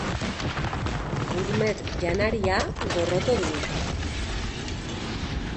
Gourmet janaria gorroto dut.